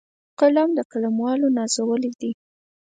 قلم د قلموالو نازولی دی